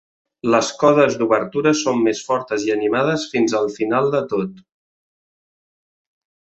Les codes d'obertura són "més fortes i animades fins al final de tot".